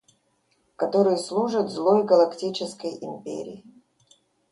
который служит злой Галактической Империи.